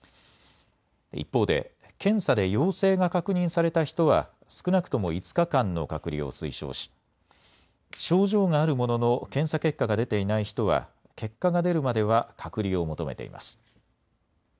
一方で検査で陽性が確認された人は少なくとも５日間の隔離を推奨し症状があるものの検査結果が出ていない人は結果が出るまでは隔離を求めています。